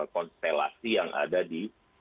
konstelasi yang ada di